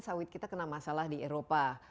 sawit kita kena masalah di eropa